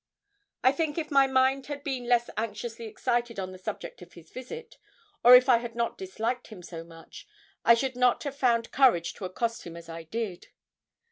I think, if my mind had been less anxiously excited on the subject of his visit, or if I had not disliked him so much, I should not have found courage to accost him as I did.